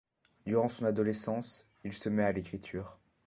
Durant son adolescence, il se met à l'écriture.